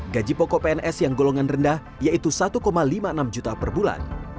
gaji pokok pns yang golongan rendah yaitu satu lima puluh enam juta per bulan